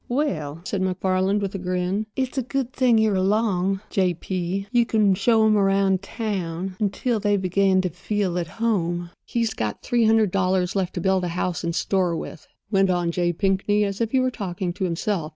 "Well," said MacFarland, with another grin, "it's a good thing you are along, J. P.; you can show 'em around town until they begin to feel at home." "He's got three hundred dollars left to build a house and store with," went on J. Pinkney, as if he were talking to himself.